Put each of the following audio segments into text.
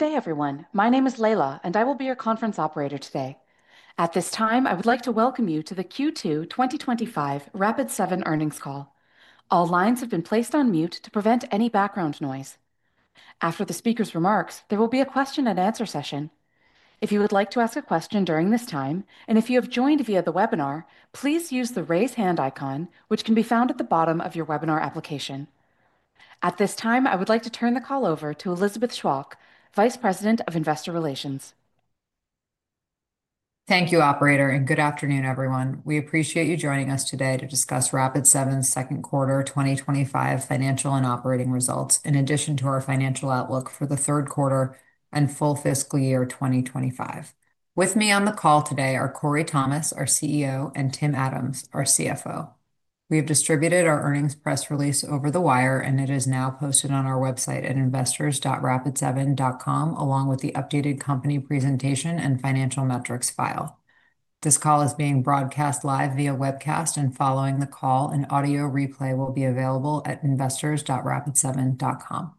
Good day everyone. My name is Layla and I will be your conference operator today. At this time I would like to welcome you to the Q2 2025 Rapid7 earnings call. All lines have been placed on mute to prevent any background noise. After the speaker's remarks, there will be a question and answer session. If you would like to ask a question during this time and if you have joined via the webinar, please use the Raise hand icon which can be found at the bottom of your webinar application. At this time, I would like to turn the call over to Elizabeth Chwalk, Vice President of Investor Relations. Thank you, Operator, and good afternoon everyone. We appreciate you joining us today to discuss Rapid7's second quarter 2025 financial and operating results in addition to our financial outlook for the third quarter and full fiscal year 2025. With me on the call today are Corey Thomas, our CEO, and Tim Adams, our CFO. We have distributed our earnings press release over the wire and it is now posted on our website at investors.rapid7.com along with the updated company presentation and financial metrics file. This call is being broadcast live via webcast and following the call, an audio replay will be available at investors.rapid7.com.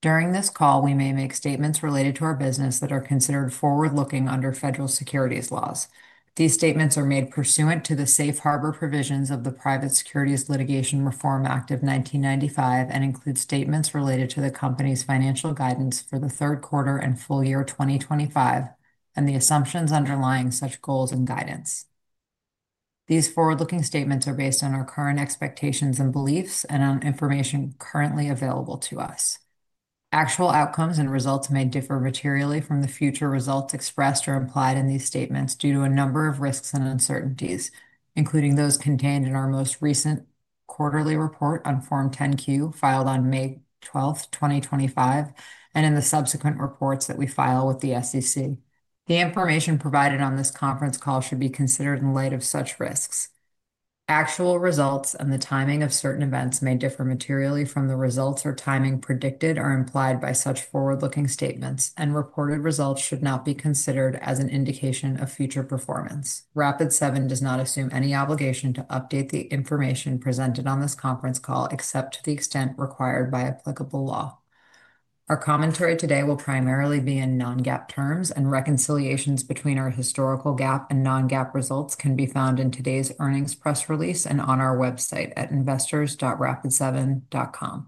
During this call we may make statements related to our business that are considered forward-looking under federal securities laws. These statements are made pursuant to the safe harbor provisions of the Private Securities Litigation Reform Act of 1995 and include statements related to the company's financial guidance for the third quarter and full year 2025 and the assumptions underlying such goals and guidance. These forward-looking statements are based on our current expectations and beliefs and on information currently available to us. Actual outcomes and results may differ materially from the future results expressed or implied in these statements due to a number of risks and uncertainty, including those contained in our most recent quarterly report on Form 10-Q filed on May 12, 2025 and in the subsequent reports that we file with the SEC. The information provided on this conference call should be considered in light of such risks. Actual results and the timing of certain events may differ materially from the results or timing predicted or implied by such forward-looking statements and reported results should not be considered as an indication of future performance. Rapid7 does not assume any obligation to update the information presented on this conference call except to the extent required by applicable law. Our commentary today will primarily be in non-GAAP terms, and reconciliations between our historical GAAP and non-GAAP results can be found in today's earnings press release and on our website at investors.rapid7.com.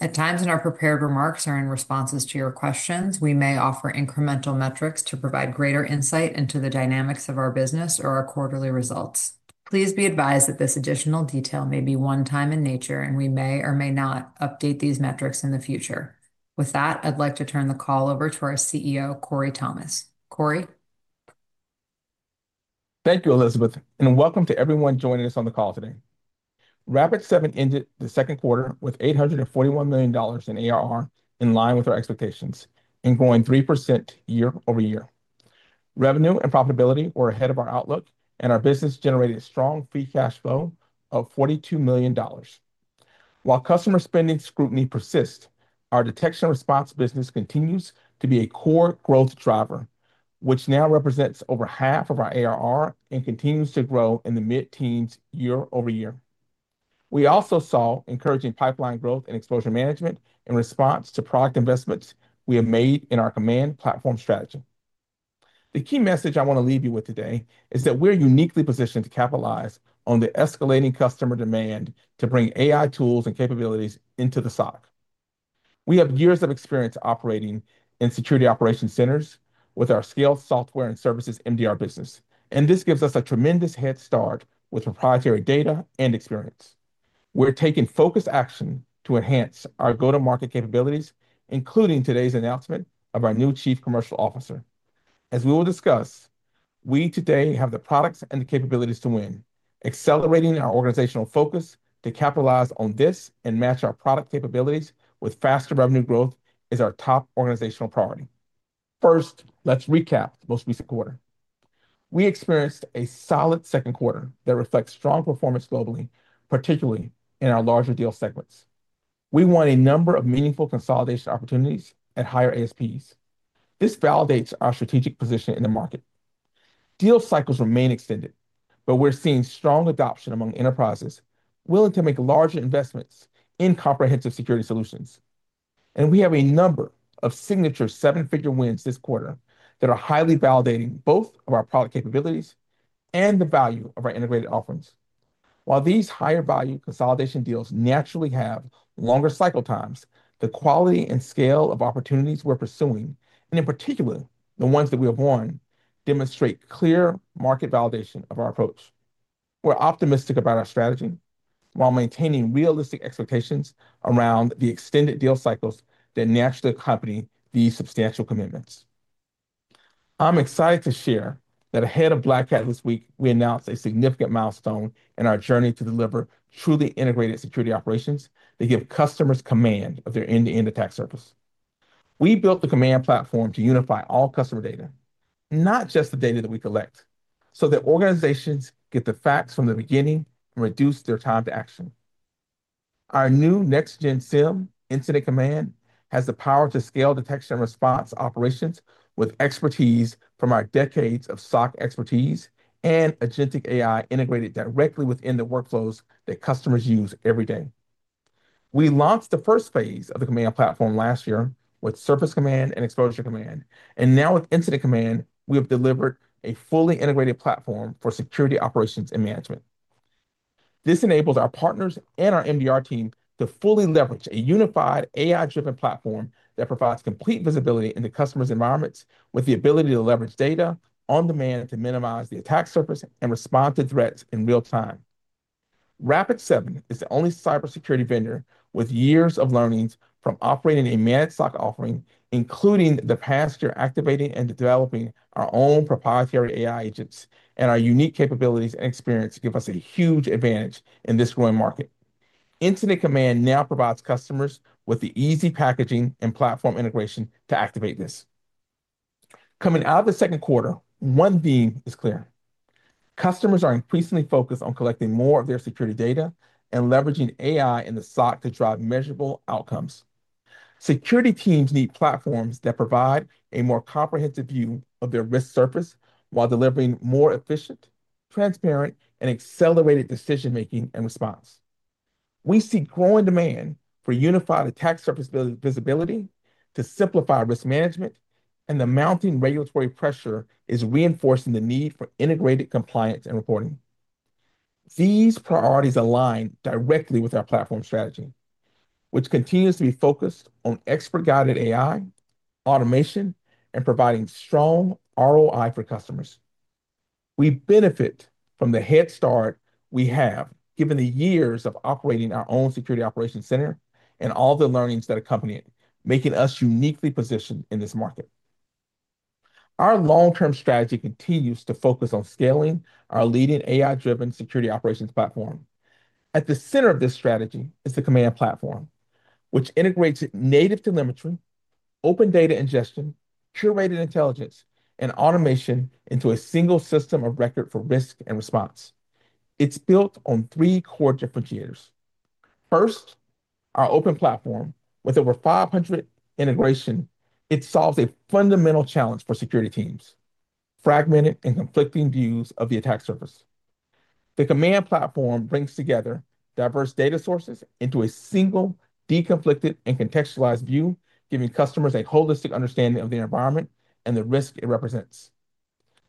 At times in our prepared remarks or in responses to your questions, we may offer incremental metrics to provide greater insight into the dynamics of our business or our quarterly results. Please be advised that this additional detail may be one time in nature, and we may or may not update these metrics in the future. With that, I'd like to turn the call over to our CEO, Corey Thomas. Corey. Thank you, Elizabeth, and welcome to everyone joining us on the call today. Rapid7 ended the second quarter with $841 million in ARR, in line with our expectations and growing 3% year-over- year. Revenue and profitability were ahead of our outlook, and our business generated strong free cash flow of $42 million. While customer spending scrutiny persists, our detection and response business continues to be a core growth driver, which now represents over half of our ARR and continues to grow in the mid-teens year-over-year. We also saw encouraging pipeline growth in exposure management in response to product investments we have made in our Command Platform strategy. The key message I want to leave you with today is that we're uniquely positioned to capitalize on the escalating customer demand to bring AI tools and capabilities into the SOC. We have years of experience operating in security operations centers with our scale, software, and services MDR business, and this gives us a tremendous head start with proprietary data and experience. We're taking focused action to enhance our go-to-market capabilities, including today's announcement of our new Chief Commercial Officer. As we will discuss, we today have the products and the capabilities to win. Accelerating our organizational focus to capitalize on this and match our product capabilities with faster revenue growth is our top organizational priority. First, let's recap. Most recent quarter, we experienced a solid second quarter that reflects strong performance globally, particularly in our larger deal segments. We won a number of meaningful consolidation opportunities at higher ASPs. This validates our strategic position in the market. Deal cycles remain extended, yet we're seeing strong adoption among enterprises willing to make larger investments in comprehensive security solutions. We have a number of signature seven-figure wins this quarter that are highly validating both of our product capabilities and the value of our integrated offerings. While these higher value consolidation deals naturally have longer cycle times, the quality and scale of opportunities we're pursuing, and in particular the ones that we have won, demonstrate clear market validation of our approach. We're optimistic about our strategy while maintaining realistic expectations around the extended deal cycles that naturally accompany these substantial commitments. I'm excited to share that ahead of Black Hat this week we announced a significant milestone in our journey to deliver truly integrated security operations that give customers command of their end-to-end attack surface. We built the Command Platform to unify all customer data, not just the data that we collect, so that organizations get the facts from the beginning and reduce their time to action. Our new next-gen SIEM Incident Command has the power to scale detection and response operations with expertise from our decades of SOC expertise and agentic AI integrated directly within the workflows that customers use every day. We launched the first phase of the Command Platform last year with Surface Command and Exposure Command and now with Incident Command. We have delivered a fully integrated platform for security operations and management. This enables our partners and our MDR team to fully leverage a unified AI-driven platform that provides complete visibility into customers' environments with the ability to leverage data on demand to minimize the attack surface and respond to threats in real time. Rapid7 is the only cybersecurity vendor with years of learnings from operating a managed SOC offering including the past year. Activating and developing our own proprietary AI agents and our unique capabilities and experience give us a huge advantage in this growing market. Incident Command now provides customers with the easy packaging and platform integration to activate this. Coming out of the second quarter one theme is clear. Customers are increasingly focused on collecting more of their security data and leveraging AI in the SOC to drive measurable outcomes. Security teams need platforms that provide a more comprehensive view of their risk surface while delivering more efficient, transparent, and accelerated decision making and response. We see growing demand for unified attack surface visibility to simplify risk management and the mounting regulatory pressure is reinforcing the need for integrated compliance and reporting. These priorities align directly with our platform strategy which continues to be focused on expert-guided AI automation and providing strong ROI for customers. We benefit from the head start we have given the years of operating our own security operations center and all the learnings that accompany it, making us uniquely positioned in this market. Our long term strategy continues to focus on scaling our leading AI-driven security operations platform. At the center of this strategy is the Command Platform, which integrates native telemetry, open data ingestion, curated intelligence, and automation into a single system of record for risk and response. It's built on three core differentiators. First, our open platform. With over 500 integrations, it solves a fundamental challenge for security teams: fragmented and conflicting views of the attack surface. The Command Platform brings together diverse data sources into a single deconflicted and contextualized view, giving customers a holistic understanding of the environment and the risk it represents.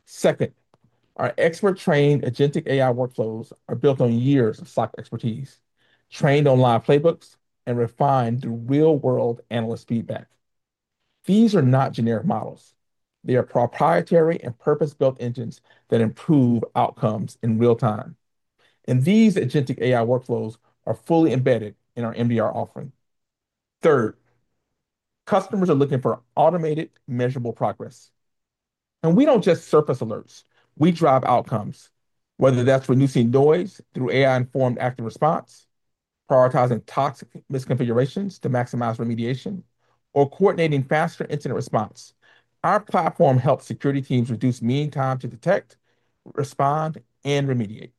Second, our expert-trained agentic AI workflows are built on years of SOC expertise, trained on live playbooks, and refined through real-world analyst feedback. These are not generic models, they are proprietary and purpose-built engines that improve outcomes in real time, and these agentic AI workflows are fully embedded in our MDR offering. Third, customers are looking for automated, measurable progress, and we don't just surface alerts, we drive outcomes. Whether that's reducing noise through AI-informed active response, prioritizing toxic misconfigurations to maximize remediation, or coordinating faster incident response, our platform helps security teams reduce mean time to detect, respond, and remediate.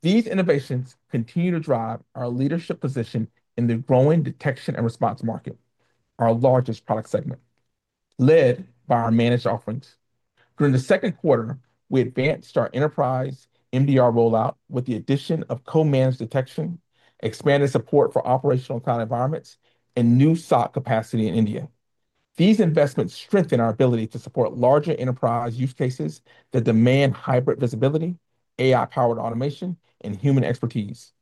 These innovations continue to drive our leadership position in the growing detection and response market, our largest product segment led by our managed offerings. During the second quarter, we advanced our enterprise MDR rollout with the addition of co-managed detection, expanded support for operational cloud environments, and new SOC capacity in India. These investments strengthen our ability to support larger enterprise use cases that demand hybrid visibility, AI-powered automation, and human expertise.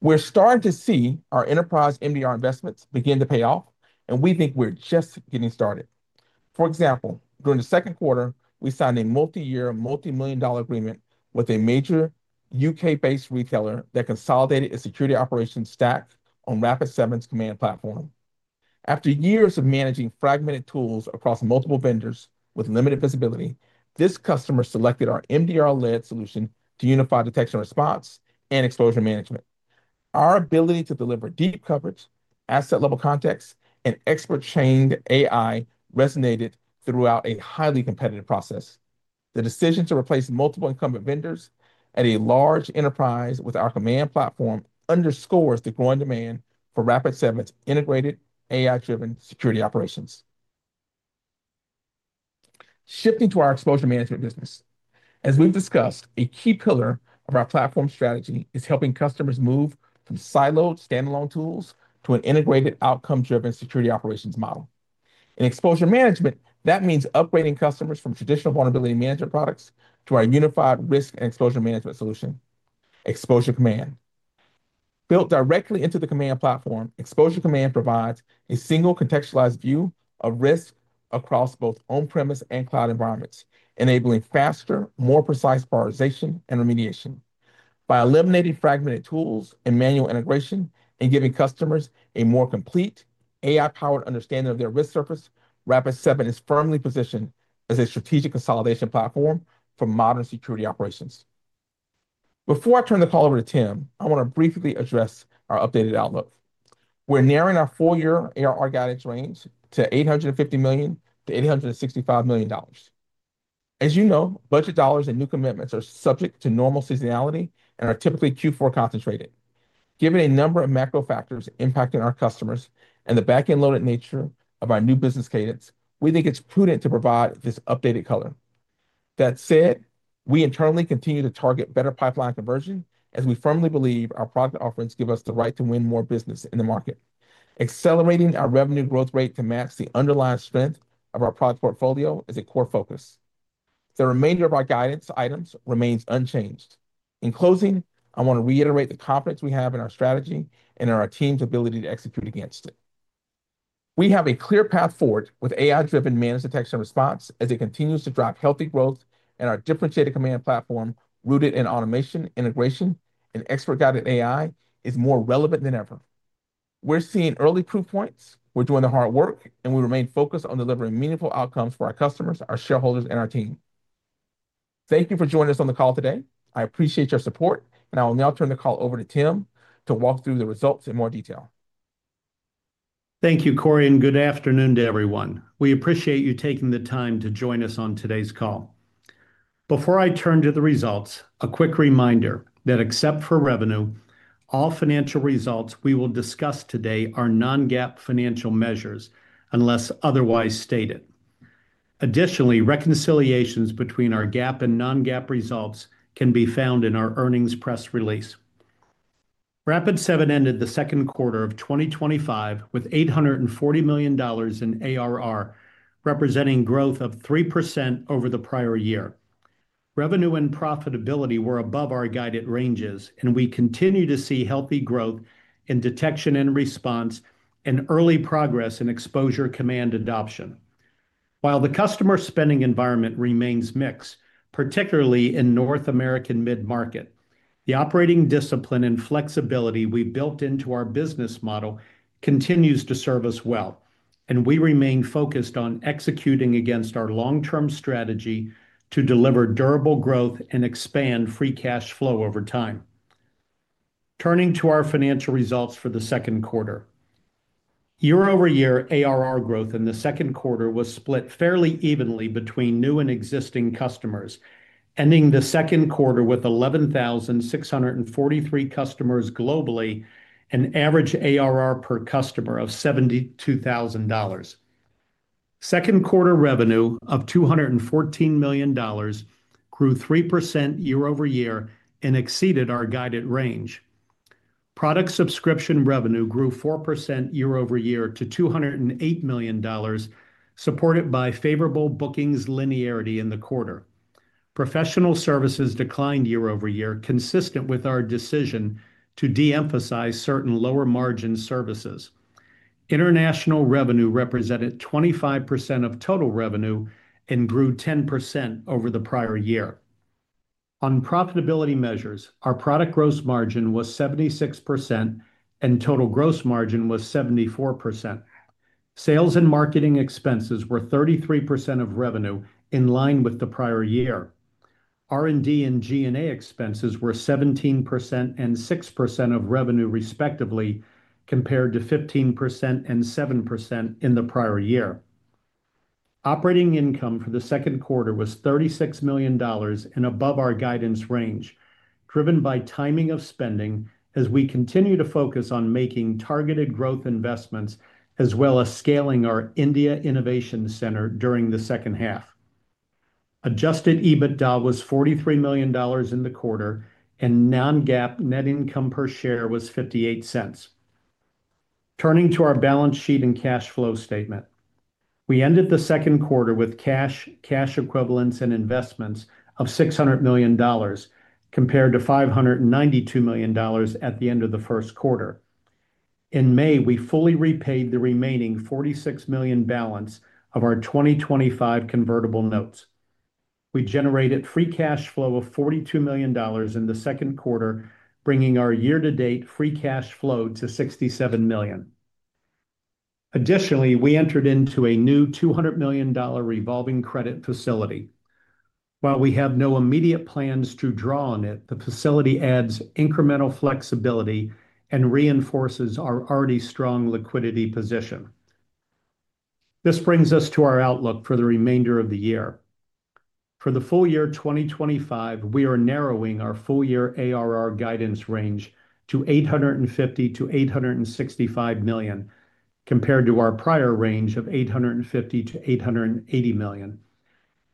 We're starting to see our enterprise MDR investments begin to pay off, and we think we're just getting started. For example, during the second quarter, we signed a multi-year, multimillion dollar agreement with a major U.K.-based retailer that consolidated its security operations stack on Rapid7's Command Platform. After years of managing fragmented tools across multiple vendors with limited visibility, this customer selected our MDR-led solution to unify detection, response, and exposure management. Our ability to deliver deep coverage, asset-level context, and expert chained AI resonated throughout a highly competitive process. The decision to replace multiple incumbent vendors at a large enterprise with our Command Platform underscores the growing demand for Rapid7's integrated AI-driven security operations. Shifting to our exposure management business, as we've discussed, a key pillar of our platform strategy is helping customers move from siloed standalone tools to an integrated outcome-driven security operations model in exposure management. That means upgrading customers from traditional vulnerability management products to our unified risk and exposure management solution, Exposure Command. Built directly into the Command Platform, Exposure Command provides a single contextualized view of risk across both on-premise and cloud environments, enabling faster, more precise prioritization and remediation. By eliminating fragmented tools and manual integration and giving customers a more complete AI-powered understanding of their risk surface, Rapid7 is firmly positioned as a strategic consolidation platform for modern security operations. Before I turn the call over to Tim, I want to briefly address our updated outlook. We're narrowing our full-year ARR guidance range to $850 million - $865 million. As you know, budget dollars and new commitments are subject to normal seasonality and are typically Q4 concentrated. Given a number of macro factors impacting our customers and the back-end loaded nature of our new business cadence, we think it's prudent to provide this updated color. That said, we internally continue to target better pipeline conversion as we firmly believe our product offerings give us the right to win more business in the market. Accelerating our revenue growth rate to match the underlying strength of our product portfolio is a core focus. The remainder of our guidance items remains unchanged. In closing, I want to reiterate the confidence we have in our strategy and our team's ability to execute against it. We have a clear path forward with AI-driven Managed Detection and Response as it continues to drive healthy growth, and our differentiated Command Platform rooted in automation, integration, and expert-guided AI is more relevant than ever. We're seeing early proof points, we're doing the hard work, and we remain focused on delivering meaningful outcomes for our customers, our shareholders, and our team. Thank you for joining us on the call today. I appreciate your support, and I will now turn the call over to Tim to walk through the results in more detail. Thank you, Corey, and good afternoon to everyone. We appreciate you taking the time to join us on today's call. Before I turn to the results, a quick reminder that except for revenue, all financial results we will discuss today are non-GAAP financial measures unless otherwise stated. Additionally, reconciliations between our GAAP and non-GAAP results can be found in our earnings press release. Rapid7 ended the second quarter of 2025 with $840 million in ARR, representing growth of 3% over the prior year. Revenue and profitability were above our guided ranges, and we continue to see healthy growth in detection and response and early progress in Exposure Command adoption. While the customer spending environment remains mixed, particularly in North American mid-market, the operating discipline and flexibility we built into our business model continues to serve us well, and we remain focused on executing against our long-term strategy to deliver durable growth and expand free cash flow over time. Turning to our financial results for the second quarter, year-over-year, ARR growth in the second quarter was split fairly evenly between new and existing customers, and ending the second quarter with 11,643 customers globally, an average ARR per customer of $72,000. Second quarter revenue of $214 million grew 3% year-over-year and exceeded our guided range. Product subscription revenue grew 4% year-over-year to $208 million, supported by favorable bookings linearity in the quarter. Professional services declined year-over-year, consistent with our decision to de-emphasize certain lower margin services. International revenue represented 25% of total revenue and grew 10% over the prior year. On profitability measures, our product gross margin was 76% and total gross margin was 74%. Sales and marketing expenses were 33% of revenue, in line with the prior year. R&D and G&A expenses were 17% and 6% of revenue, respectively, compared to 15% and 7% in the prior year. Operating income for the second quarter was $36 million and above our guidance range, driven by timing of spending as we continue to focus on making targeted growth investments as well as scaling our India Innovation Center during the second half. Adjusted EBITDA was $43 million in the quarter, and non-GAAP net income per share was $0.58. Turning to our balance sheet and cash flow statement, we ended the second quarter with cash, cash equivalents, and investments of $600 million compared to $592 million at the end of the first quarter. In May, we fully repaid the remaining $46 million balance of our 2025 convertible notes. We generated free cash flow of $42 million in the second quarter, bringing our year-to-date free cash flow to $67 million. Additionally, we entered into a new $200 million revolving credit facility. While we have no immediate plans to draw on it, the facility adds incremental flexibility and reinforces our already strong liquidity position. This brings us to our outlook for the remainder of the year. For the full year 2025, we are narrowing our full year ARR guidance range to $850 million - $865 million compared to our prior range of $850 million - $880 million.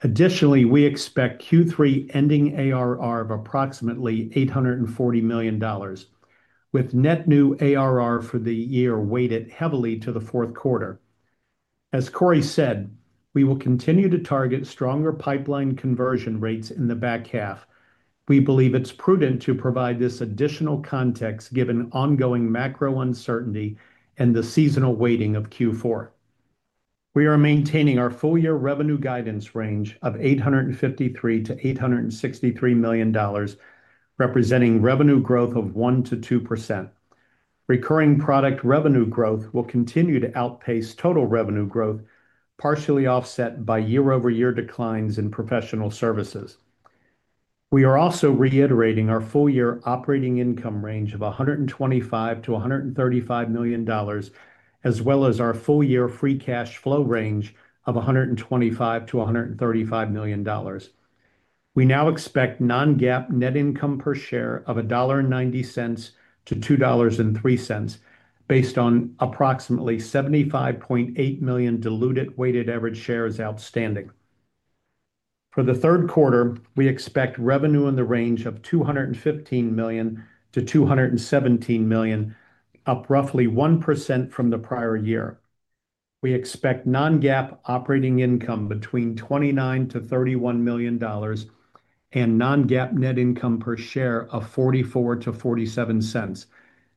Additionally, we expect Q3 ending ARR of approximately $840 million with net new ARR for the year weighted heavily to the fourth quarter. As Corey said, we will continue to target stronger pipeline conversion rates in the back half. We believe it's prudent to provide this additional context given ongoing macro uncertainty and the seasonal weighting of Q4. We are maintaining our full year revenue guidance range of $853 million - $863 million, representing revenue growth of 1% - 2%. Recurring product revenue growth will continue to outpace total revenue growth, partially offset by year-over-year declines in professional services. We are also reiterating our full year operating income range of $125 million - $135 million as well as our full year free cash flow range of $125 million - $135 million. We now expect non-GAAP net income per share of $1.90 - $2.03 based on approximately 75.8 million diluted weighted average shares outstanding. For the third quarter, we expect revenue in the range of $215 million - $217 million, up roughly 1% from the prior year. We expect non-GAAP operating income between $29 million to $31 million and non-GAAP net income per share of $0.44 - $0.47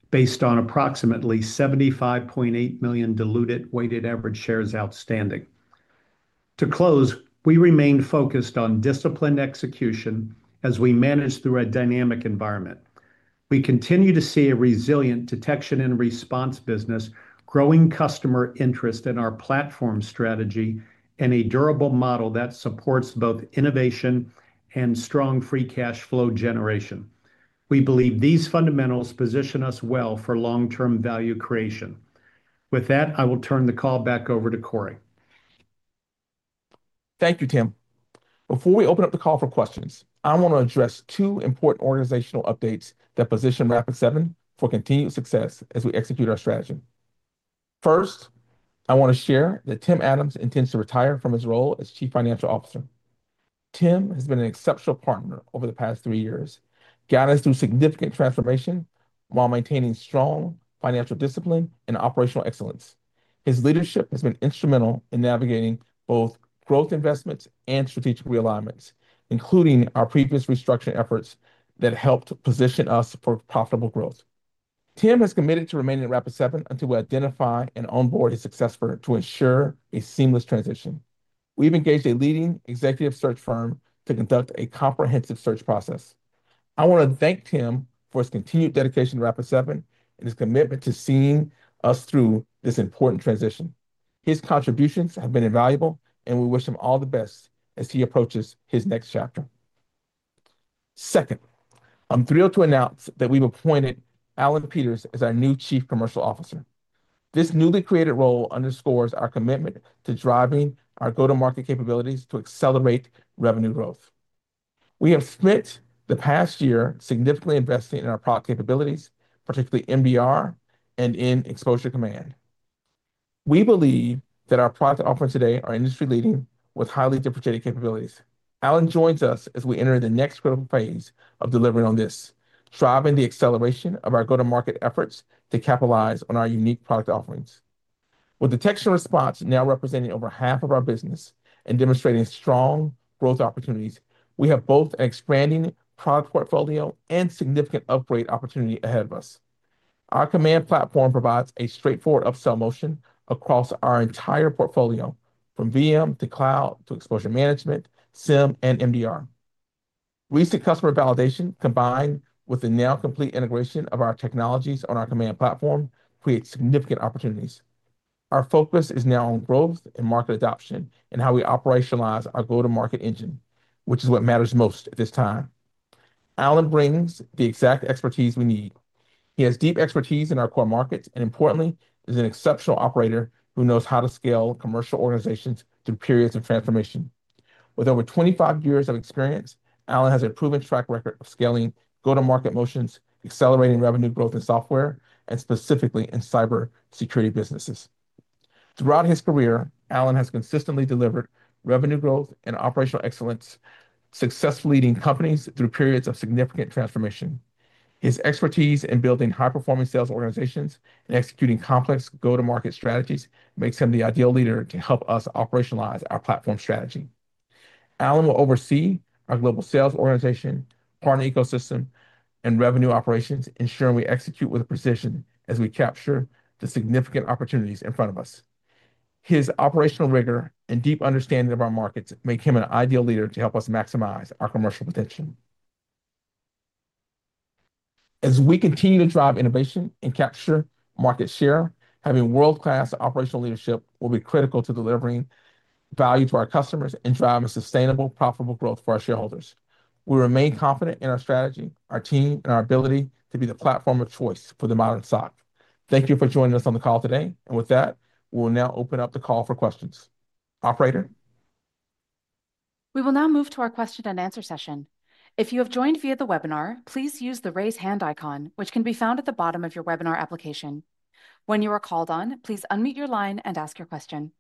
based on approximately 75.8 million diluted weighted average shares outstanding. To close, we remain focused on disciplined execution as we manage through a dynamic environment. We continue to see a resilient detection and response business, growing customer interest in our platform strategy, and a durable model that supports both innovation and strong free cash flow generation. We believe these fundamentals position us well for long-term value creation. With that, I will turn the call. Back over to Corey. Thank you, Tim. Before we open up the call for questions, I want to address two important organizational updates that position Rapid7 for continued success as we execute our strategy. First, I want to share that Tim Adams intends to retire from his role as Chief Financial Officer. Tim has been an exceptional partner over the past three years, guiding us through significant transformation while maintaining strong financial discipline and operational excellence. His leadership has been instrumental in navigating both growth investments and strategic realignments, including our previous restructuring efforts that helped position us for profitable growth. Tim has committed to remaining at Rapid7 until we identify and onboard his successor to ensure a seamless transition. We've engaged a leading executive search firm to conduct a comprehensive search process. I want to thank Tim for his continued dedication to Rapid7 and his commitment to seeing us through this important transition. His contributions have been invaluable, and we wish him all the best as he approaches his next chapter. Second, I'm thrilled to announce that we've appointed Alan Peters as our new Chief Commercial Officer. This newly created role underscores our commitment to driving our go-to-market capabilities to accelerate revenue growth. We have spent the past year significantly investing in our product capabilities, particularly MDR and in Exposure Command. We believe that our product offerings today are industry leading with highly differentiated capabilities. Alan joins us as we enter the next critical phase of delivering on this, driving the acceleration of our go-to-market efforts to capitalize on our unique product offerings. With the tech share response now representing over half of our business and demonstrating strong growth opportunities, we have both an expanding product portfolio and significant upgrade opportunity ahead of us. Our Command Platform provides a straightforward upsell motion across our entire portfolio from VM to Cloud to Exposure Management, SIEM, and MDR. Recent customer validation combined with the now complete integration of our technologies on our Command Platform creates significant opportunities. Our focus is now on growth and market adoption and how we operationalize our go-to-market engine, which is what matters most at this time. Alan brings the exact expertise we need. He has deep expertise in our core markets and, importantly, is an exceptional operator who knows how to scale commercial organizations through periods of transformation. With over 25 years of experience, Alan has a proven track record of scaling go to market motions, accelerating revenue growth in software and specifically in cybersecurity businesses. Throughout his career, Alan has consistently delivered revenue growth and operational excellence, successfully leading companies through periods of significant transformation. His expertise in building high-performing sales organizations and executing complex go to market strategies makes him the ideal leader to help us operationalize our platform strategy. Alan will oversee our global sales organization, partner ecosystem, and revenue operations, ensuring we execute with precision as we capture the significant opportunities in front of us. His operational rigor and deep understanding of our markets make him an ideal leader to help us maximize our commercial potential as we continue to drive innovation and capture market share. Having world-class operational leadership will be critical to delivering value to our customers and driving sustainable, profitable growth for our shareholders. We remain confident in our strategy, our team, and our ability to be the platform of choice for the modern SOC. Thank you for joining us on the call today, and with that, we'll now open up the call for questions, operator. We will now move to our question and answer session. If you have joined via the webinar, please use the raise hand icon, which can be found at the bottom of your webinar application. When you are called on, please unmute your line and ask your question.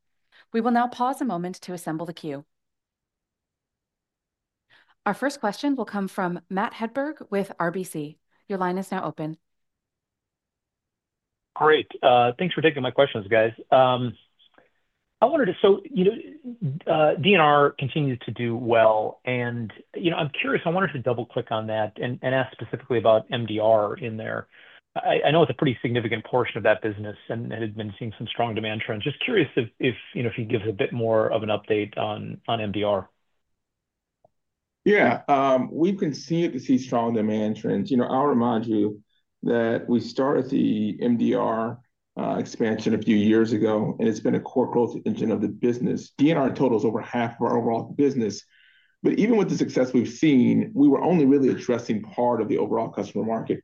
We will now pause a moment to assemble the queue. Our first question will come from Matt Hedberg with RBC. Your line is now open. Great. Thanks for taking my questions, guys. I wanted to, you know, DNR continues to do well and, you know, I'm curious, I wanted to double click on that and ask specifically about MDR in there. I know it's a pretty significant portion of that business and had been seeing some strong demand trends. Just curious if, you know, if you could give a bit more of an update on MDR. Yeah, we've continued to see strong demand trends. I'll remind you that we started the MDR expansion a few years ago and it's been a core growth engine of the business. DNR totals over half of our overall business, but even with the success we've seen, we were only really addressing part of the overall customer market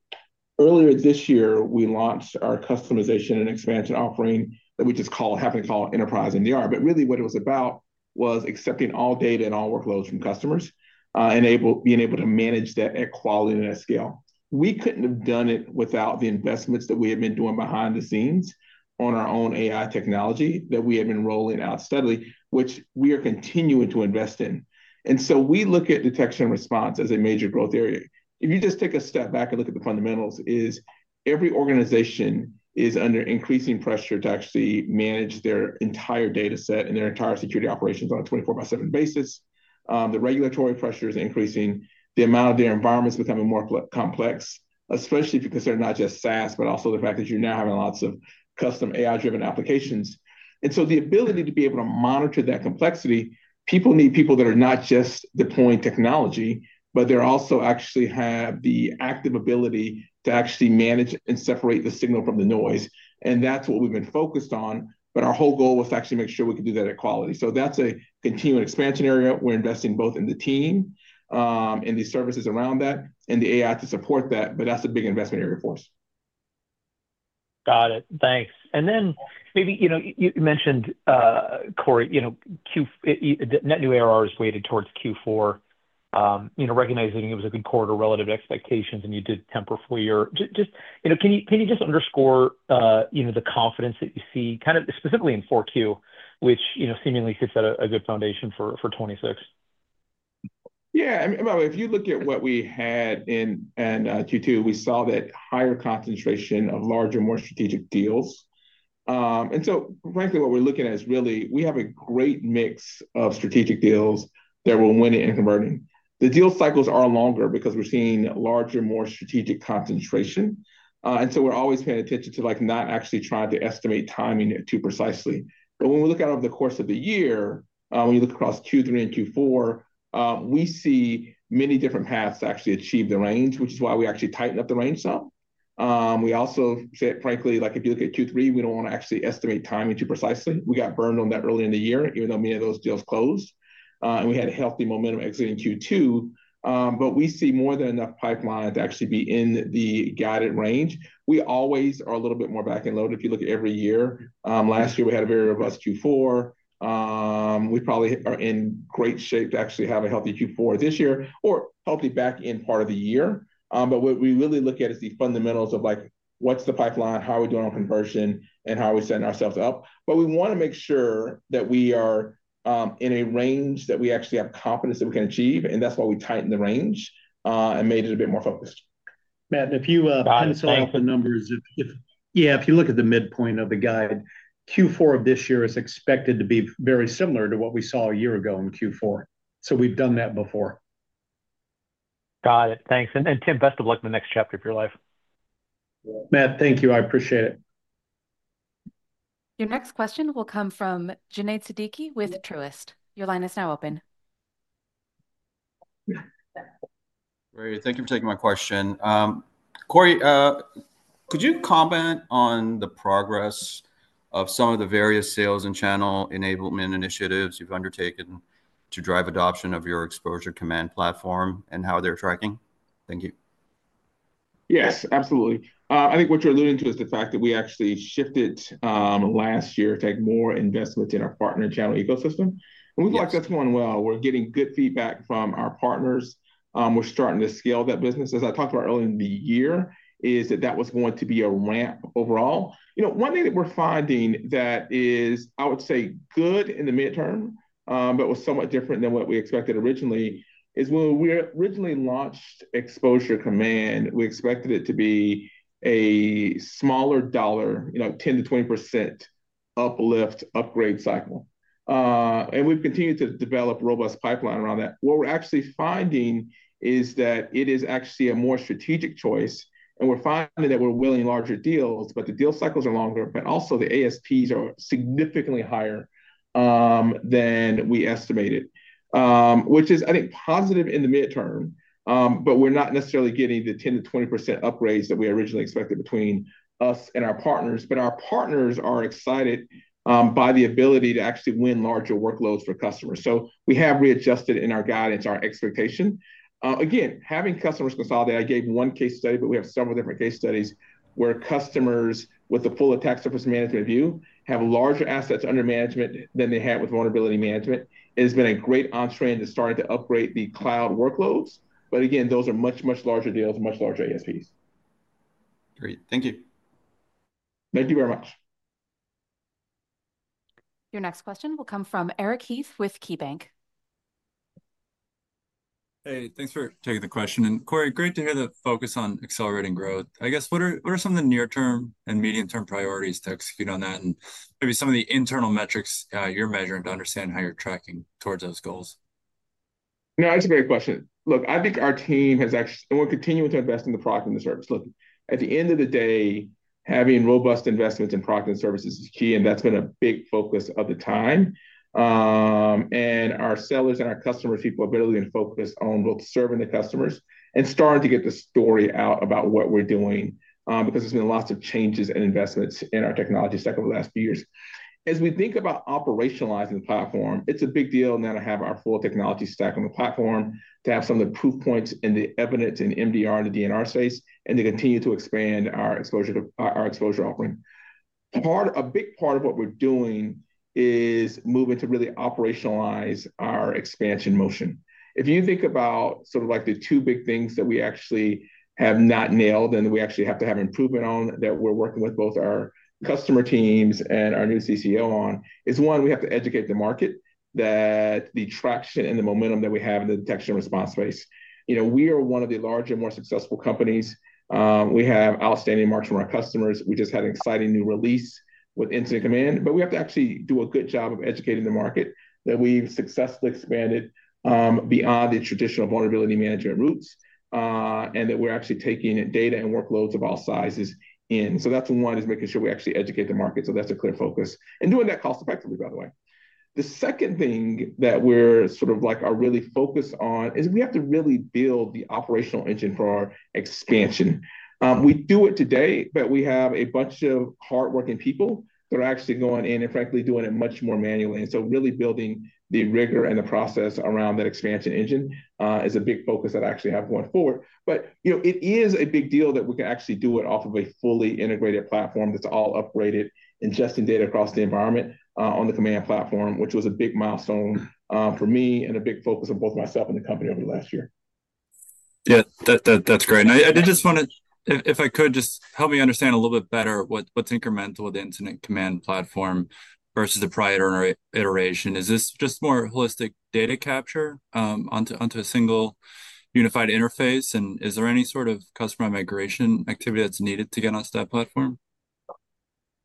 earlier this year. We launched our customization and expansion offering that we just call, happened to call Enterprise NDR. What it was about was accepting all data and all workloads from customers and being able to manage that at quality and at scale. We couldn't have done it without the investments that we had been doing behind the scenes on our own AI technology that we had been rolling out steadily, which we are continuing to invest in. We look at detection and response as a major growth area. If you just take a step back and look at the fundamentals, every organization is under increasing pressure to actually manage their entire data set and their entire security operations on a 24 by 7 basis. The regulatory pressure is increasing, the amount of their environments is becoming more complex, especially if you consider not just SaaS but also the fact that you're now having lots of custom AI-driven applications. The ability to be able to monitor that complexity, people need people that are not just deploying technology, but they also actually have the active ability to actually manage and separate the signal from the noise. That's what we've been focused on. Our whole goal was to actually make sure we could do that at quality. That's a continual expansion area. We're investing both in the team and the services around that and the AI to support that. That's a big investment area for us. Got it, thanks. Then maybe, you know, you mentioned, Corey, you know, Q net new ARR is weighted towards Q4, you know, recognizing it was a good quarter relative to expectations and you did temper for your. Can you just underscore the confidence that you see specifically in 4Q, which should set a good foundation for 2026? If you look at what we had in Q2, we saw that higher concentration of larger, more strategic deals. Frankly, what we're looking at is we have a great mix of strategic deals that we're winning and converting. The deal cycles are longer because we're seeing larger, more strategic concentration. We're always paying attention to not actually trying to estimate timing too precisely, but when we look at the course of the year, when you look across Q3 and Q4, we see many different paths to actually achieve the range, which is why we actually tighten up the range. We also said, if you look at Q3, we don't want to actually estimate timing too precisely. We got burned on that early in the year even though many of those deals closed and we had a healthy momentum exit in Q2. We see more than enough pipeline to actually be in the guided range. We always are a little bit more back and load if you look at every year. Last year we had a very robust Q4. We probably are in great shape to actually have a healthy Q4 this year or healthy back end part of the year. What we really look at is the fundamentals of what's the pipeline, how are we doing on conversion, and how are we setting ourselves up? We want to make sure that we are in a range that we actually have confidence that we can achieve. That's why we tighten the range and made it a bit more focused. Matt, if you saw the numbers. Yeah. If you look at the midpoint of the guide, Q4 of this year is expected to be very similar to what we saw a year ago in Q4. We've done that before. Got it. Thanks. Tim, best of luck in the next chapter of your life. Matt, thank you. I appreciate it. Your next question will come from Junaid Siddiqui with Truist. Your line is now open. Great. Thank you for taking my question. Corey, could you comment on the progress of some of the various sales and Channel enablement initiatives you've undertaken to drive adoption of your Exposure Command platform and how they're tracking? Thank you. Yes, absolutely. I think what you're alluding to is the fact that we actually shifted last year to have more investments in our partner channel ecosystem. We feel like that's going well. We're getting good feedback from our partners. We're starting to scale that business. As I talked about earlier in the year, that was going to be a ramp overall. One thing that we're finding that is, I would say, good in the midterm, but was somewhat different than what we expected originally is when we originally launched Exposure Command, we expected it to be a smaller dollar, you know, 10% - 20% uplift upgrade cycle. We've continued to develop robust pipeline around that. What we're actually finding is that it is actually a more strategic choice. We're finding that we're winning larger deals, but the deal cycles are longer. The ASPs are significantly higher than we estimated, which is, I think, positive in the midterm. We're not necessarily getting the 10% - 20% upgrades that we originally expected between us and our partners. Our partners are excited by the ability to actually win larger workloads for customers. We have readjusted in our guidance our expectation again, having customers consolidate. I gave one case study, but we have several different case studies where customers with the full Attack Surface management view have larger assets under management than they had with vulnerability management. It has been a great entrance to starting to upgrade the cloud workloads. Those are much, much larger deals, much larger ASPs. Great, thank you. Thank you very much. Your next question will come from Eric Heath with KeyBanc. Hey, thanks for taking the question. Corey, great to hear the focus on accelerating growth. I guess what are some of the near term and medium term priorities to execute on that and maybe some of the internal metrics you're measuring to understand how you're tracking towards those goals? That's a great question. Look, I think our team has actually, we're continuing to invest in the product and the service. At the end of the day, having robust investments in product and services is key and that's been a big focus of the time. Our sellers and our customers, people are really in focus on both serving the customers and starting to get the story out about what we're doing. There have been lots of changes and investments in our technology sector over the last few years as we think about operationalizing the platform. It's a big deal now to have our full technology stack on the platform, to have some of the proof points and the evidence in MDR in the DNR space, and to continue to expand our exposure offering part. A big part of what we're doing is moving to really operationalize our expansion motion. If you think about the two big things that we actually have not nailed and we actually have to have improvement on, we're working with both our customer teams and our new Chief Commercial Officer on. One, we have to educate the market that the traction and the momentum that we have in the detection and response space, we are one of the larger, more successful companies. We have outstanding marks from our customers. We just had an exciting new release with Incident Command, but we have to actually do a good job of educating the market that we've successfully expanded beyond the traditional vulnerability management routes and that we're actually taking data and workloads of all sizes. That's one, making sure we actually educate the market, so that's a clear focus and doing that cost effectively. By the way, the second thing that we're really focused on is we have to really build the operational engine for our expansion. We do it today, but we have a bunch of hardworking people that are actually going in and frankly doing it much more manually. Really building the rigor and the process around that expansion engine is a big focus that I actually have going forward. It is a big deal that we can actually do it off of a fully integrated platform that's all upgraded, ingesting data across the environment on the Command Platform, which was a big milestone for me and a big focus of both myself and the company over last year. Yeah, that's great. I just want to, if I could, help me understand a little bit better what's incremental with the Incident Command platform versus the prior iteration. Is this just more holistic data capture onto a single unified interface, and is there any sort of customer migration activity that's needed to get onto that platform?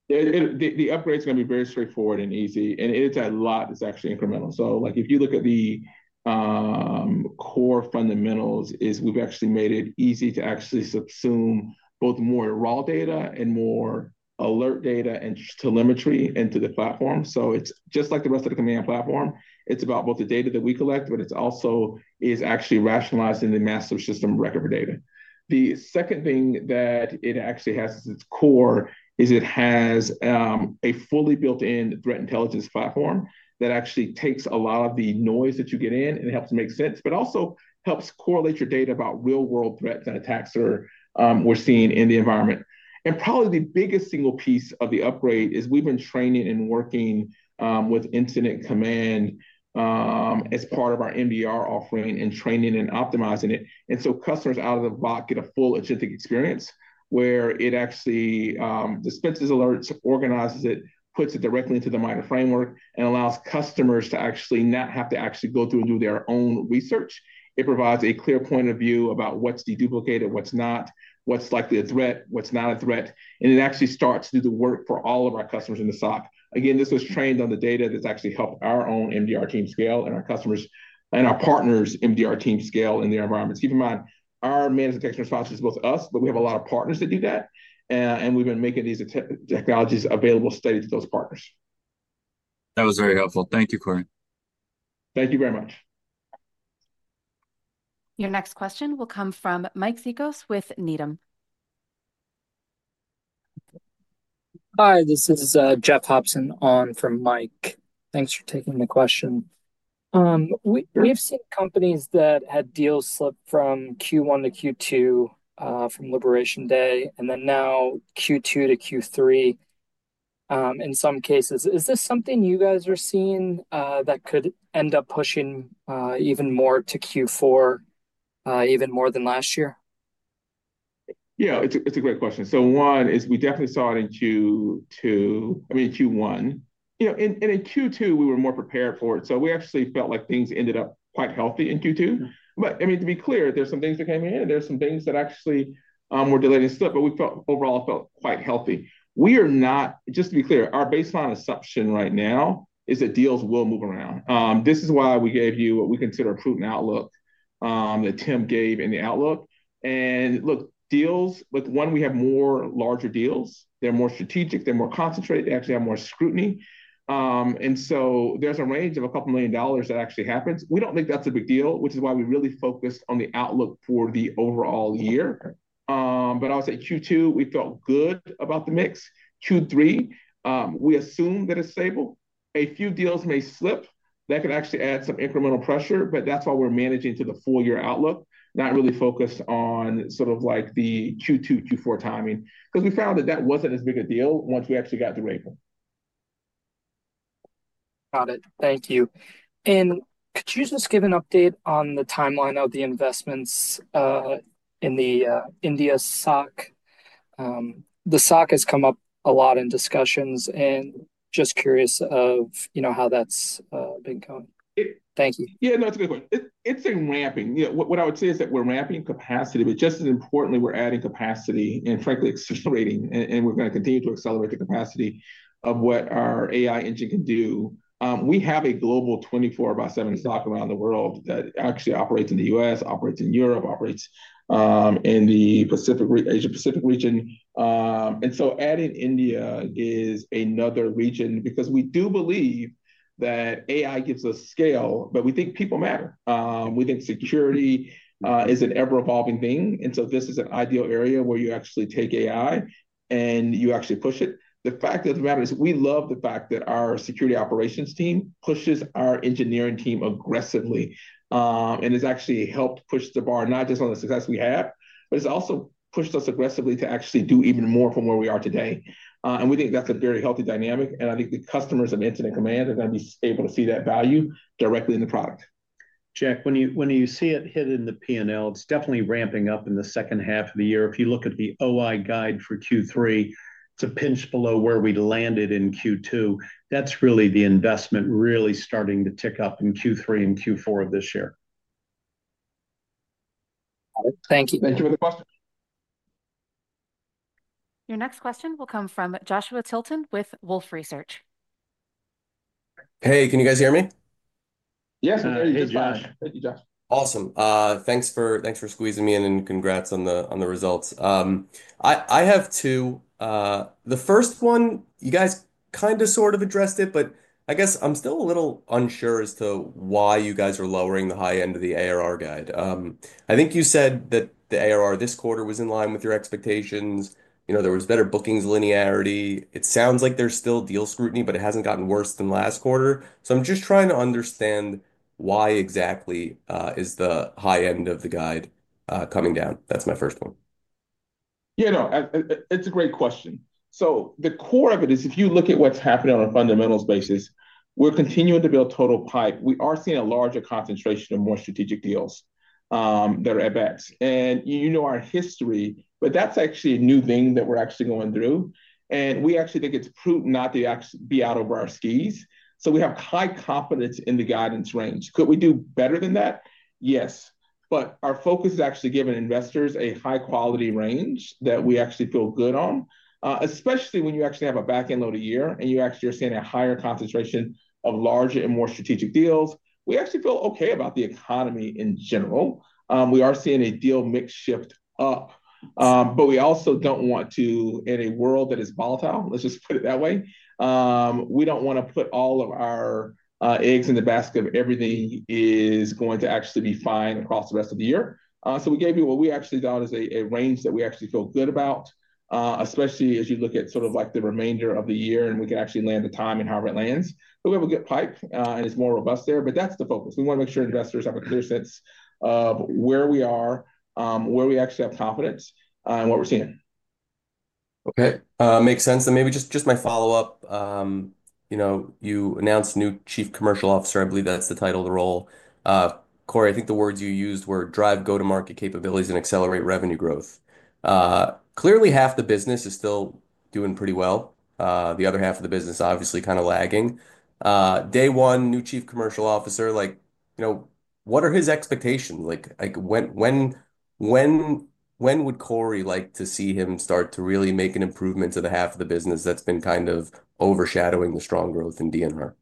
The upgrade is going to be very straightforward and easy, and it's a lot. It's actually incremental. If you look at the core fundamentals, we've actually made it easy to subsume both more raw data and more alert data and telemetry into the platform. It's just like the rest of the Command Platform. It's about both the data that we collect, but it's also actually rationalized in the master system record for data. The second thing that it actually has at its core is it has a fully built-in threat intelligence platform that actually takes a lot of the noise that you get in and helps make sense, but also helps correlate your data about real world threats and attacks we're seeing in the environment. Probably the biggest single piece of the upgrade is we've been training and working with Incident Command as part of our MDR offering and training and optimizing it. Customers out of the box get a full agentic experience where it actually dispenses alerts, organizes it, puts it directly into the MITRE framework, and allows customers to not have to go through and do their own research. It provides a clear point of view about what's deduplicated, what's not, what's likely a threat, what's not a threat. It actually starts to do the work for all of our customers in the SOC. This was trained on the data that's actually helped our own MDR team scale and our customers' and our partners' MDR team scale in the environments. Keep in mind our Managed Detection and Response is both us, but we have a lot of partners that do that, and we've been making these technologies available steady to those partners. That was very helpful. Thank you, Corey. Thank you very much. Your next question will come from Mike Stiuso with Needham. Hi, this is Jeff Hopson on for Mike. Thanks for taking the question. We've seen companies that had deals slip from Q1 to Q2 from Liberation Day, and then now Q2 to Q3 in some cases. Is this something you guys are seeing? That could end up pushing even more to Q4, even more than last year? Yeah, it's a great question. One is we definitely saw it in Q2, I mean Q1. In Q2 we were more prepared for it, so we actually felt like things ended up quite healthy in Q2. To be clear, there's some things that came in and there's some things that actually were delayed and slipped, but we overall felt quite healthy. We are not. Just to be clear, our baseline assumption right now is that deals will move around. This is why we gave you what we consider a prudent outlook that Tim gave in the outlook. Deals with one, we have more larger deals, they're more strategic, they're more concentrated, they actually have more scrutiny. There's a range of a couple million dollars that actually happens. We don't think that's a big deal, which is why we really focused on the outlook for the overall year. I would say Q2, we felt good about the mix. Q3, we assume that it's stable. A few deals may slip that could actually add some incremental pressure. That's why we're managing to the full year outlook, not really focused on the 2022-2024 timing because we found that that wasn't as big a deal once we actually got to April. Got it. Thank you. And could you give an update on the timeline of the investments in the India SOC? The SOC has come up a lot in discussions and just curious of how that's been going. Thank you. Yeah, that's a good question. It's in ramping. What I would say is that we're ramping capacity, but just as importantly we're adding capacity and frankly accelerating, and we're going to continue to accelerate capacity of what our AI engine can do. We have a global 24 by 7 SOC around the world that actually operates in the U.S., operates in Europe, operates in the Asia Pacific region. Adding India is another region because we do believe that AI gives us scale, but we think people matter within security as it is an ever-evolving thing. This is an ideal area where you actually take AI and you actually push it. The fact of the matter is we love the fact that our security operations team pushes our engineering team aggressively, and it's actually helped push the bar not just on the success we have, but it's also pushed us aggressively to actually do even more from where we are today. We think that's a very healthy dynamic. I think the customers of Incident Command are going to be able to see that value directly in the product. Jack, when you see it hit in the P&L, it's definitely ramping up in the second half of the year. If you look at the OI guide for Q3 to pinch below where we landed in Q2, that's really the investment really starting to tick up in Q3. Q4 of this year. Thank you. Thank you for the question. Your next question will come from Joshua Tilton with Wolfe Research. Hey, can you guys hear me? Yes. Hey, Josh. Awesome. Thanks for squeezing me in. And congrats on the results. I have two. The first one, you guys kind of sort of addressed it, but I guess I'm still a little unsure as to why you guys are lowering the high end of the ARR guide. I think you said that the ARR this quarter was in line with your expectations. There was better bookings, linearity. It sounds like there's still deal scrutiny, but it hasn't gotten worse than last quarter. I'm just trying to understand why exactly is the high end of the guide coming down? That's my first one. It's a great question. The core of it is if you look at what's happening on a fundamentals basis, we're continuing to build total pipe. We are seeing a larger concentration of more strategic deals that are at best and you know our history, but that's actually a new thing that we're actually going through. We actually think it's prudent not to actually be out over our skis. We have high confidence in the guidance range. Could we do better than that? Yes. Our focus is actually giving investors a high quality range that we actually feel good on. Especially when you actually have a back end load a year and you actually are seeing a higher concentration of larger and more strategic deals. We actually feel okay about the economy in general. We are seeing a deal mix shift up, but we also don't want to in a world that is volatile, let's just put it that way. We don't want to put all of our eggs in the basket of everything is going to actually be fine across the rest of the year. We gave you what we actually thought is a range that we actually feel good about, especially as you look at sort of like the remainder of the year. We can actually land the time and harbor. It lands. We have a good pipe and it's more robust there. That's the focus. We want to make sure investors have a clear sense of where we are, where we actually have confidence and what we're seeing. Okay. Makes sense. Maybe just my follow up, you know, you announced new Chief Commercial Officer. I believe that's the title of the role. Corey, I think the words you used were drive go to market capabilities and accelerate revenue growth. Clearly half the business is still doing pretty well. The other half of the business obviously kind of lagging. Day 1 new Chief Commercial Officer like, you know, what are his expectations? Like when would Corey like to see him start to really make an improvement to the half of the business that's been kind of overshadowing the strong growth in DNR?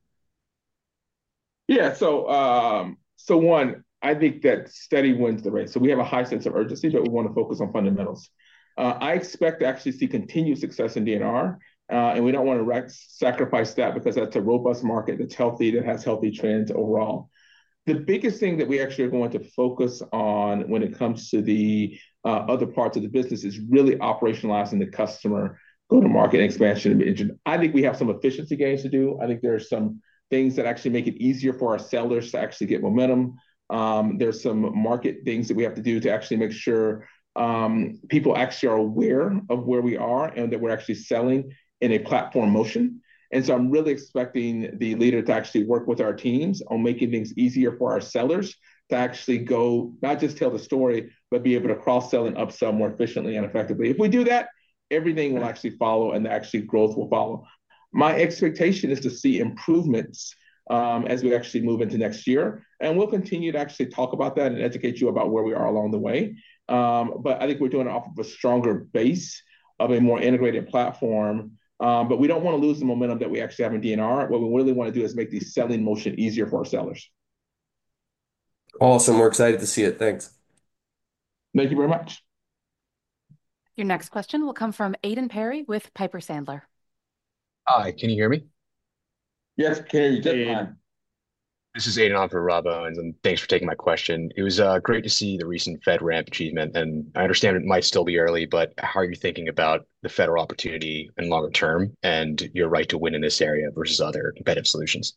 I think that steady wins the race. We have a high sense of urgency that we want to focus on fundamentals. I expect to actually see continued success in DNR and we don't want to sacrifice that because that's a robust market, that's healthy, that has healthy trends overall. The biggest thing that we actually are going to focus on when it comes to the other parts of the business is really operationalizing the customer go to market expansion. I think we have some efficiency gains to do. I think there are some things that actually make it easier for our sellers to actually get momentum. There are some market things that we have to do to actually make sure people actually are aware of where we are and that we're actually selling in a platform motion. I'm really expecting the leader to actually work with our teams on making things easier for our sellers to actually go. Not just tell the story but be able to cross sell and upsell more efficiently and effectively. If we do that, everything will actually follow and growth will follow. My expectation is to see improvements as we actually move into next year. We'll continue to actually talk about that and educate you about where we are along the way. I think we're doing it off of a stronger base of a more integrated platform. We don't want to lose the momentum that we actually have in DNR. What we really want to do is make the selling motion easier for our sellers. Awesome. We're excited to see it. Thanks. Thank you very much. Your next question will come from Aidan Perry with Piper Sandler. Hi, can you hear me? Yes, this is Aidan and thanks for taking my question. It was great to see the recent FedRAMP achievement and I understand it might still be early, but how are you thinking about the federal opportunity longer term and your right to win in this area versus other beta solutions?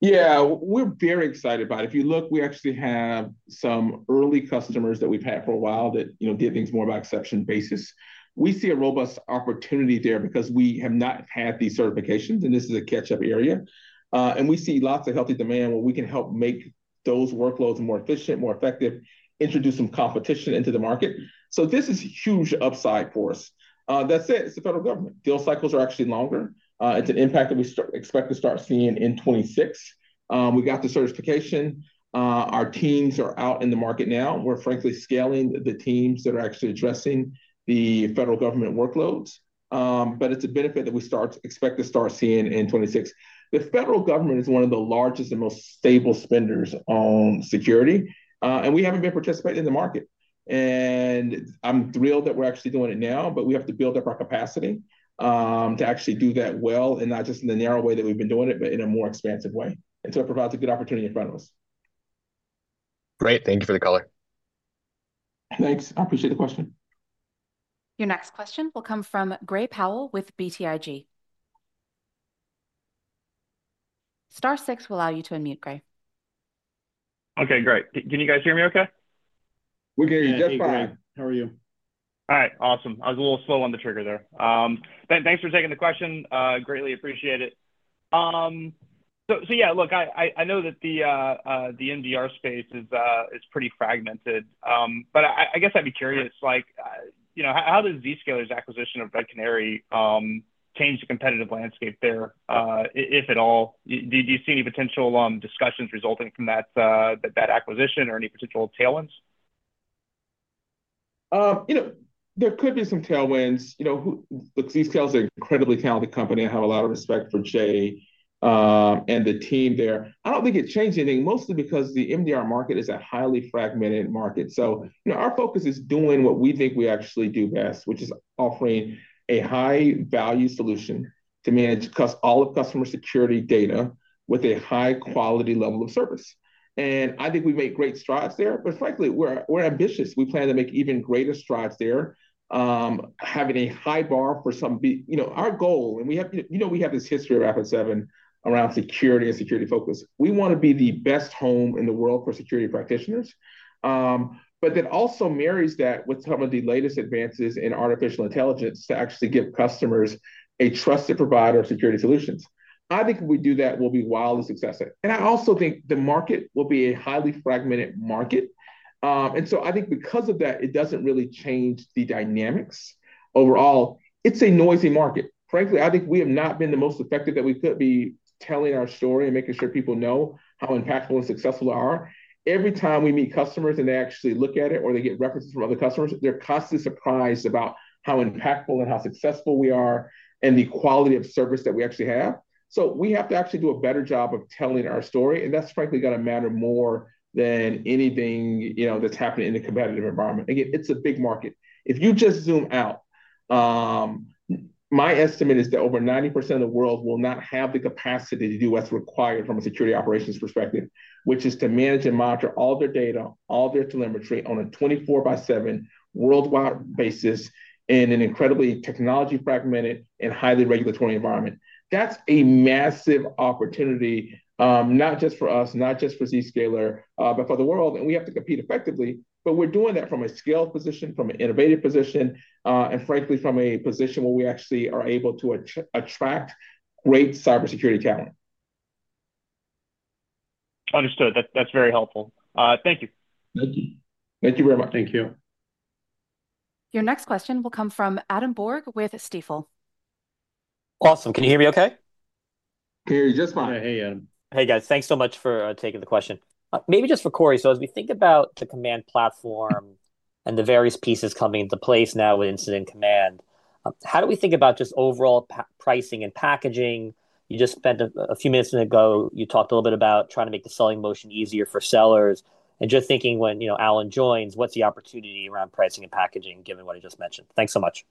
Yeah, we're very excited about it. If you look, we actually have some early customers that we've had for a while that did things more by exception basis. We see a robust opportunity there because we have not had these certifications and this is a catch up area. We see lots of healthy demand where we can help make those workloads more efficient, more effective, introduce some competition into the market. This is huge upside for us. It's the federal government. Deal cycles are actually longer. It's an impact that we expect to start seeing in 2026. We got the certification, our teams are out in the market now. We're frankly scaling the teams that are actually addressing the federal government workloads. It's a benefit that we expect to start seeing in 2026. The federal government is one of the largest and most stable spenders on security and we haven't been participating in the market. I'm thrilled that we're actually doing it now, but we have to build up our capacity to actually do that well, not just in the narrow way that we've been doing it, but in a more expansive way. It provides a good opportunity in front of us. Great. Thank you for the color. Thanks. I appreciate the question. Your next question will come from Gray Powell with BTIG. Star six will allow you to unmute, Gray. Okay, great. Can you guys hear me okay? Okay, that's fine. How are you? All right. Awesome. I was a little slow on the trigger there. Ben, thanks for taking the question. Greatly appreciate it. I know that the MDR space is pretty fragmented, but I guess I'd be curious, like, you know, how does Zscaler's acquisition of Red Canary change the competitive landscape there, if at all? Do you see any potential discussions resulting from that acquisition or any potential tailwinds? There could be some tailwinds. You know who these tails are. Incredibly talented company. I have a lot of respect for Jay and the team there. I don't think it changed anything, mostly because the MDR market is a highly fragmented market. Our focus is doing what we think we actually do best, which is offering a high value solution to manage all of customer security data with a high quality level of service. I think we made great strides there. Frankly, we're ambitious. We plan to make even greater strides there. Having a high bar for some, our goal, and we have this history of Rapid7 around security and security focus. We want to be the best home in the world for security practitioners, but that also marries that with some of the latest advances in artificial intelligence to actually give customers a trusted provider of security solutions. I think we do that. We'll be wildly successful. I also think the market will be a highly fragmented market. I think because of that, it doesn't really change the dynamics overall. It's a noisy market. Frankly, I think we have not been the most effective that we could be telling our story and making sure people know how impactful and successful we are. Every time we meet customers and they actually look at it or they get references from other customers, they're constantly surprised about how impactful and how successful we are and the quality of service that we actually have. We have to actually do a better job of telling our story. That's frankly going to matter more than anything that's happening in the competitive environment. It's a big market. If you just zoom out, my estimate is that over 90% of the world will not have the capacity to do what's required from a security operations perspective, which is to manage and monitor all their data, all their telemetry on a 24 by 7 worldwide basis in an incredibly technology fragmented and highly regulatory environment. That's a massive opportunity, not just for us, not just for Zscaler, but for the world. We have to compete effectively. We're doing that from a scale position, from an innovative position, and frankly from a position where we actually are able to attract great cybersecurity talent. Understood, that's very helpful. Thank you. Thank you very much. Thank you. Your next question will come from Adam Borg with Stifel. Awesome. Can you hear me okay? Just fine. Hey, Adam. Hey guys, thanks so much for taking the question. Maybe just for Corey. As we think about the Command. Platform and the various pieces coming into place now with Incident Command, how do. We think about just overall pricing and packaging. You just spent a few minutes ago, you talked a little bit about trying. To make the selling motion easier for sellers. Just thinking, when Alan joins, what's the opportunity around pricing and packaging given what I just mentioned? Thanks so much.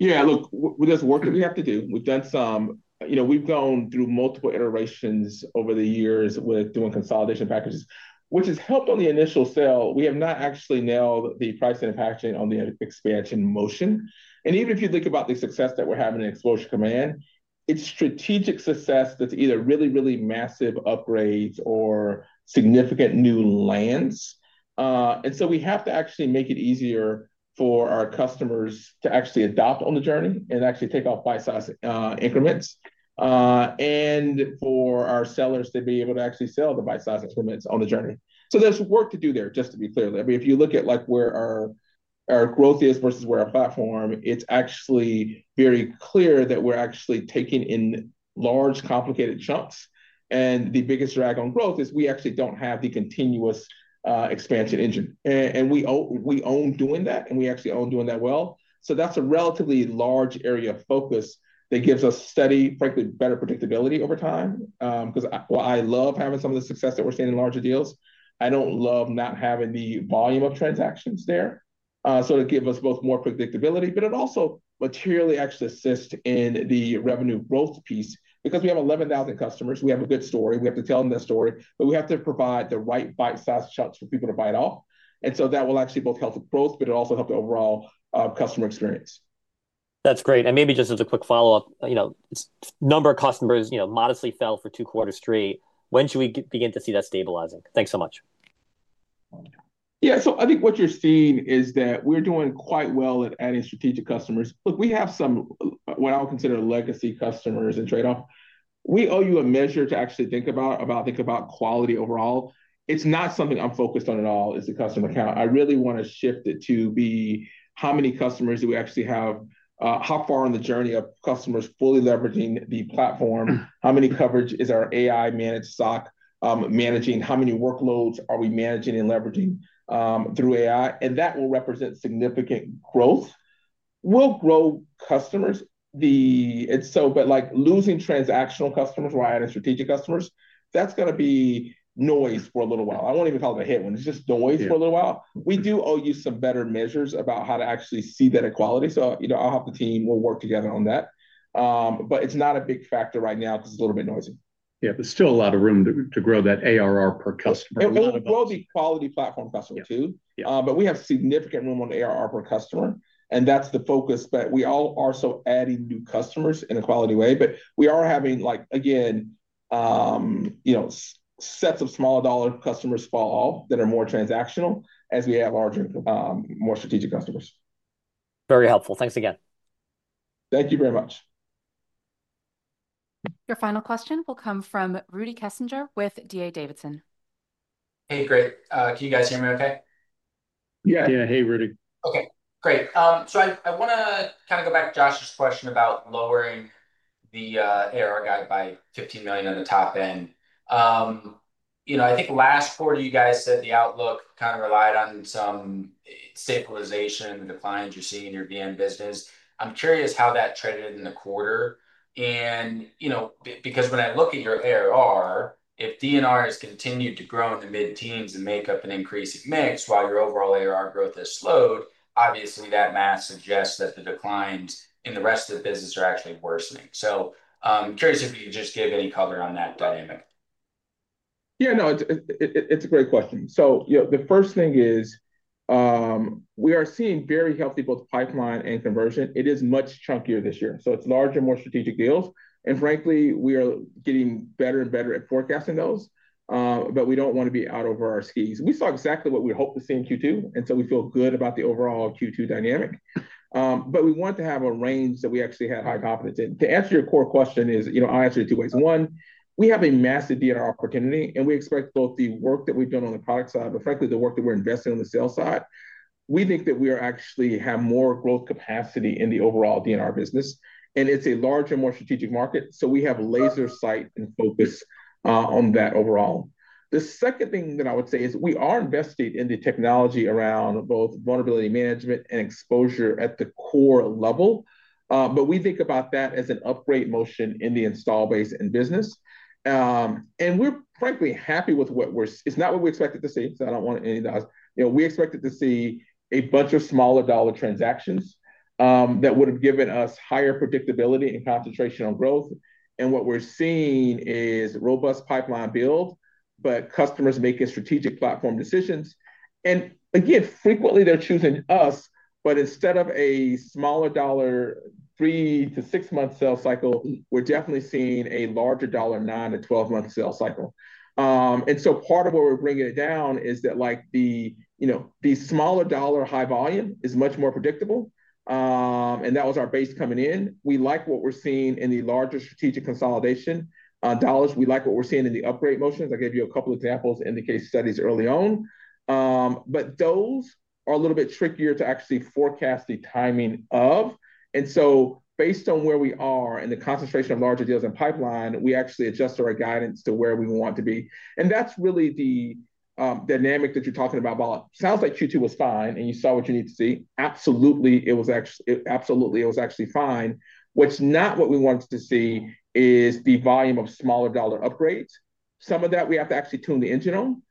Yeah, look, there's work that we have to do. We've done some, you know, we've gone through multiple iterations over the years with doing consolidation packages, which has helped on the initial sale. We have not actually nailed the pricing and packaging on the expansion motion. Even if you think about the success that we're having in Exposure Command, it's strategic success that's either really, really massive upgrades or significant new lands. We have to actually make it easier for our customers to adopt on the journey and take off bite size increments, and for our sellers to be able to sell the bite size on the journey. There's work to do there. Just to be clear, if you look at where our growth is versus where our platform is, it's actually very clear that we're taking in large, complicated chunks. The biggest drag on growth is we don't have the continuous expansion engine, and we own doing that and we actually own doing that well. That's a relatively large area of focus that gives us steady, frankly, better predictability over time. While I love having some of the success that we're seeing in larger deals, I don't love not having the volume of transactions there. It gave us both more predictability, but it also materially assists in the revenue growth piece because we have 11,000 customers, we have a good story, we have to tell them the story, but we have to provide the right bite size shots for people to buy it all. That will both help the growth and help the overall customer experience. That's great. Maybe just as a quick follow up, you know, number of customers, you. Know, modestly fell for two quarters straight. When should we begin to see that stabilizing? Thanks so much. Yeah, so I think what you're seeing is that we're doing quite well at adding strategic customers. We have some what I would legacy customers and trade off we owe you a measure to actually think about quality overall. It's not something I'm focused on at all. It's the customer count. I really want to shift it to be how many customers do we actually have? How far in the journey of customers fully leveraging the platform? How many coverage is our AI managed SOC managing? How many workloads are we managing and leveraging through AI and that will represent significant growth. Growth will grow customers. Losing transactional customers right as strategic customers, that's going to be noise for a little while. I won't even call it a hit one. It's just noise for a little while, we do owe you some better measures about how to actually see that equality. I hope the team will work together on that. It's not a big factor right now because it's a little bit noisy. Yeah, there's still a lot of room to grow. That ARR per customer is a. Quality platform customer too, but we have significant room on ARR per customer, and that's the focus. We also are adding new customers in a quality way. We are having, again, sets of small dollar customers fall off that are more transactional as we have larger, more strategic customers. Very helpful. Thanks again. Thank you very much. Your final question will come from Rudy Kessinger with D.A. Davidson. Hey, great. Can you guys hear me okay? Yeah, yeah. Hey, Rudy. Okay, great. I want to kind of go back to Josh's question about lowering the ARR guide by $15 million on the top end. I think last quarter, you guys said the outlook kind of relied on some stabilization. The declines you're seeing in your vulnerability management business, I'm curious how that traded in the quarter because when I look at your ARR, if DNR has continued to grow in the mid-teens and make up an increasing mix while your overall ARR growth has slowed, obviously that math suggests that the declines in the rest of the business are actually worsening. Curious if you could just give any color on that dynamic. Yeah, no, it's a great question. The first thing is we are seeing very healthy pipeline and conversion. It is much chunkier this year. It's larger, more strategic deals, and frankly, we are getting better and better at forecasting those. We don't want to be out over our skis. We saw exactly what we hoped to see in Q2, and we feel good about the overall Q2 dynamic, but we want to have a range that we actually have high confidence in. To answer your core question, I'll answer it two ways. One, we have a massive D core community and we expect both the work that we've done on the product side, but frankly, the work that we're investing on the sales side, we think that we actually have more growth capacity in the overall DNR business and it's a larger, more strategic market. We have a laser sight and focus on that overall. The second thing that I would say is we are investing in the technology around both vulnerability management and exposure at the core level, but we think about that as an upgrade motion in the install base. We're frankly happy with what we're seeing. It's not what we expected to see, so I don't want any of those. We expected to see a bunch of smaller dollar transactions that would have given us higher predictability and concentration on growth. What we're seeing is robust pipeline build, but customers making strategic platform decisions and again, frequently they're choosing us. Instead of a smaller dollar three to six months sales cycle, we're definitely seeing a larger dollar nine to 12 month sales cycle. Part of what we're bringing it down is that the smaller dollar, high volume is much more predictable, and that was our base coming in. We like what we're seeing in the larger strategic consolidation dollars. We like what we're seeing in the upgrade motions. I gave you a couple examples, indication studies early on, but those are a little bit trickier to actually forecast the timing of. Based on where we are and the concentration of larger deals in pipeline, we actually adjusted our guidance to where we want to be. That's really the dynamic that you're talking about. Ball sounds like Q2 was fine and you saw what you need to see. Absolutely. It was actually. Absolutely. It was actually fine. What's not what we want to see is the volume of smaller dollar upgrades. Some of that we have to actually tune the engine on.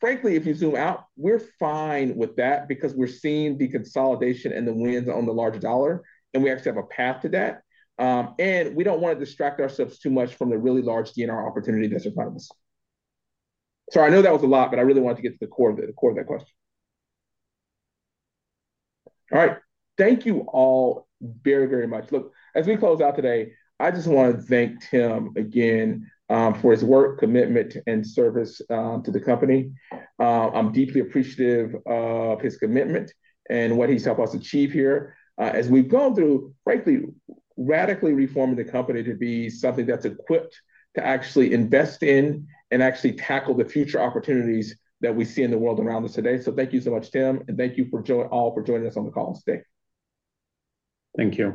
Frankly, if you zoom out, we're fine with that because we're seeing the consolidation and the wind on the larger dollar and we actually have a path to that and we don't want to distract ourselves too much from the really large DNR opportunity that's in front of us. I know that was a lot, but I really wanted to get to the core of the core of that question. All right, thank you all very, very much. Look, as we close out today, I just want to thank Tim again for his work, commitment and service to the company. I'm deeply appreciative of his commitment and what he's helped us achieve here as we've gone through, frankly, radically reforming the company to be something that's equipped to actually invest in and actually tackle the future opportunities that we see in the world around us today. Thank you so much, Tim, and thank you for joining all for joining us on the call today. Thank you.